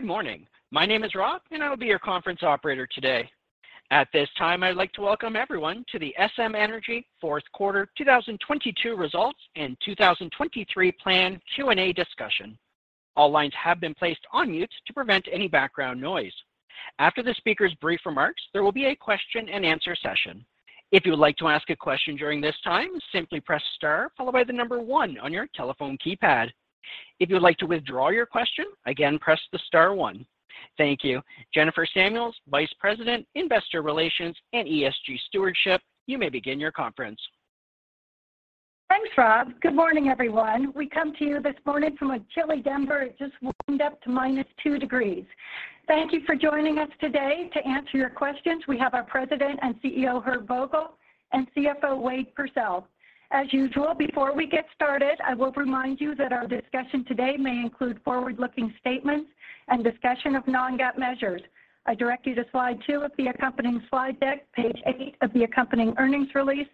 Good morning. My name is Rob, and I will be your conference operator today. At this time, I'd like to welcome everyone to the SM Energy fourth quarter 2022 results and 2023 plan Q&A discussion. All lines have been placed on mute to prevent any background noise. After the speaker's brief remarks, there will be a question-and-answer session. If you would like to ask a question during this time, simply press star followed by the number one on your telephone keypad. If you would like to withdraw your question, again, press the star one. Thank you. Jennifer Samuels, Vice President, Investor Relations and ESG Stewardship, you may begin your conference. Thanks, Rob. Good morning, everyone. We come to you this morning from a chilly Denver. It just warmed up to -2 degrees. Thank you for joining us today. To answer your questions, we have our President and CEO, Herb Vogel, and CFO, Wade Pursell. As usual, before we get started, I will remind you that our discussion today may include forward-looking statements and discussion of non-GAAP measures. I direct you to slide two of the accompanying slide deck, page eight of the accompanying earnings release,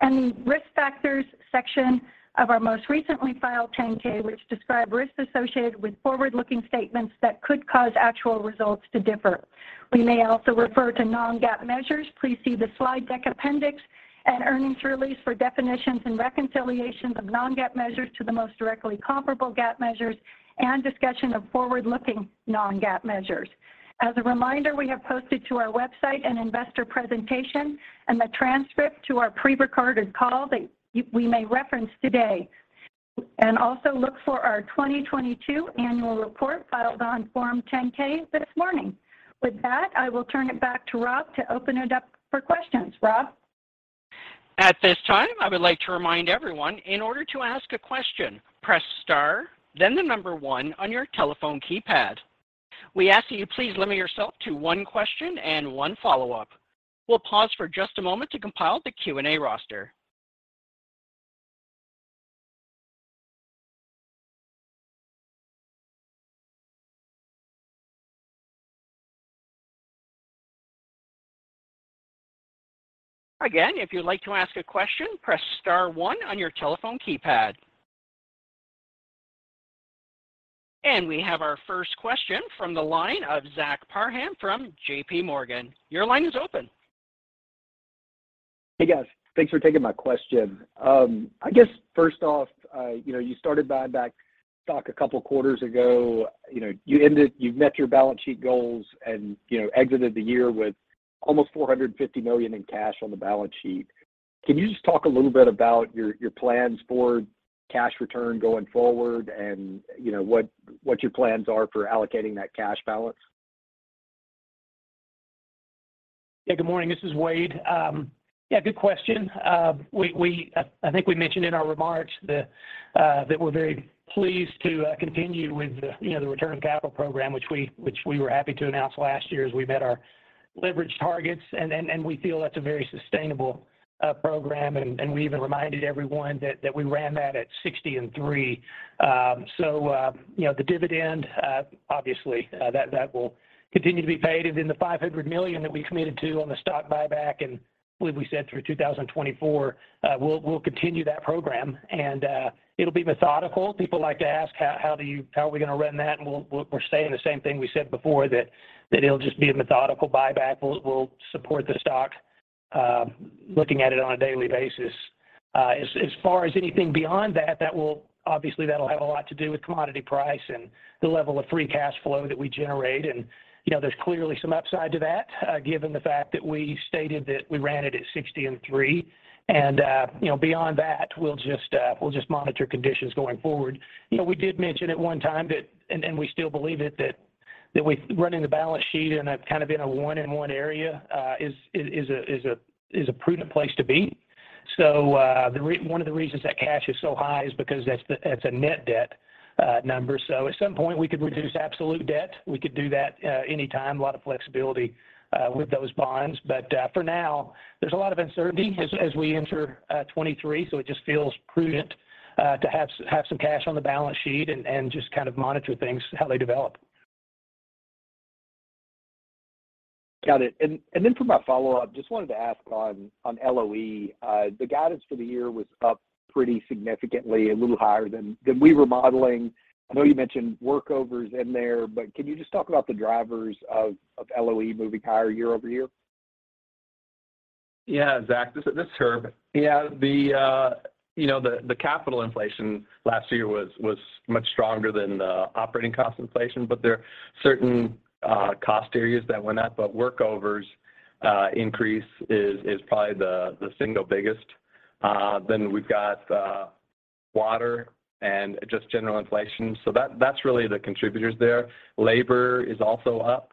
and the Risk Factors section of our most recently filed 10-K, which describe risks associated with forward-looking statements that could cause actual results to differ. We may also refer to non-GAAP measures. Please see the slide deck appendix and earnings release for definitions and reconciliations of non-GAAP measures to the most directly comparable GAAP measures and discussion of forward-looking non-GAAP measures. As a reminder, we have posted to our website an investor presentation and the transcript to our prerecorded call that we may reference today. Also look for our 2022 annual report filed on Form 10-K this morning. With that, I will turn it back to Rob to open it up for questions. Rob? At this time, I would like to remind everyone in order to ask a question, press star, then the number one on your telephone keypad. We ask that you please limit yourself to one question and one follow-up. We'll pause for just a moment to compile the Q&A roster. Again, if you'd like to ask a question, press star one on your telephone keypad. We have our first question from the line of Zach Parham from JP Morgan. Your line is open. Hey, guys. Thanks for taking my question. I guess, first off, you know, you started buying back stock a couple of quarters ago. You know, you've met your balance sheet goals and, you know, exited the year with almost $450 million in cash on the balance sheet. Can you just talk a little bit about your plans for cash return going forward and, you know, what your plans are for allocating that cash balance? Yeah, good morning. This is Wade. Yeah, good question. I think we mentioned in our remarks that we're very pleased to continue with the, you know, the return on capital program, which we were happy to announce last year as we met our leverage targets. We feel that's a very sustainable program, and we even reminded everyone that we ran that at $60 and $3. You know, the dividend, obviously, that will continue to be paid. The $500 million that we committed to on the stock buyback and believe we said through 2024, we'll continue that program. It'll be methodical. People like to ask, "How are we gonna run that?" We're saying the same thing we said before, that it'll just be a methodical buyback. We'll support the stock, looking at it on a daily basis. As far as anything beyond that, obviously, that'll have a lot to do with commodity price and the level of free cash flow that we generate. You know, there's clearly some upside to that, given the fact that we stated that we ran it at $60 and $3. You know, beyond that, we'll just monitor conditions going forward. You know, we did mention at one time that and we still believe it, that running the balance sheet in a kind of in a 1x area is a prudent place to be. One of the reasons that cash is so high is because that's a net debt number. At some point, we could reduce absolute debt. We could do that anytime, a lot of flexibility with those bonds. For now, there's a lot of uncertainty as we enter 23, it just feels prudent to have some cash on the balance sheet and just kind of monitor things how they develop. Got it. Then for my follow-up, just wanted to ask on LOE, the guidance for the year was up pretty significantly, a little higher than we were modeling. I know you mentioned workovers in there, but can you just talk about the drivers of LOE moving higher year-over-year? Zach, this is Herb. You know, the capital inflation last year was much stronger than the operating cost inflation. There are certain cost areas that went up. Workovers increase is probably the single biggest. We've got water and just general inflation. That's really the contributors there. Labor is also up.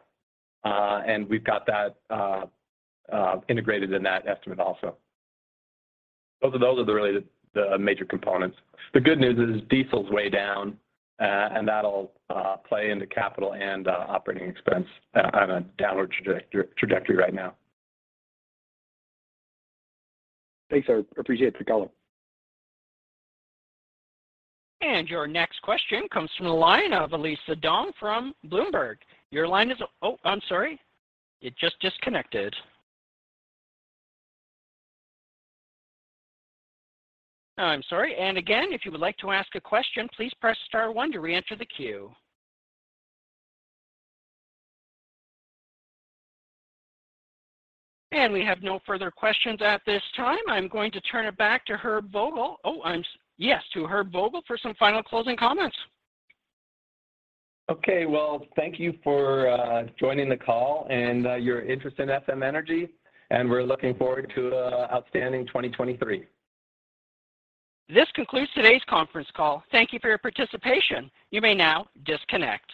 We've got that integrated in that estimate also. Those are really the major components. The good news is diesel's way down. That'll play into capital and operating expense on a downward trajectory right now. Thanks, Herb. Appreciate the color. Your next question comes from the line of Alisa Dong from Bloomberg. I'm sorry. It just disconnected. Again, if you would like to ask a question, please press star one to reenter the queue. We have no further questions at this time. I'm going to turn it back to Herb Vogel. Yes, to Herb Vogel for some final closing comments. Okay. Well, thank you for joining the call and your interest in SM Energy, and we're looking forward to a outstanding 2023. This concludes today's conference call. Thank you for your participation. You may now disconnect.